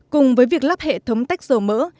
cùng với việc lắp hệ thống tách sờ mỡ